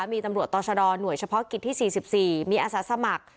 มีตำรวจต่อชะดอหน่วยเฉพาะกิจที่๔๔มีอาสาสมัคร